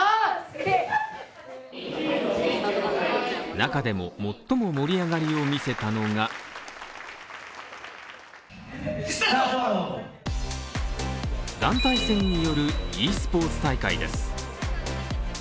中でも最も盛り上がりを見せたのが団体戦によるｅスポーツ大会です。